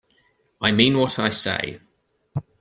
I mean what I say.